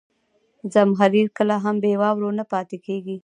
زمهریر کله هم بې واورو نه پاتې کېږي.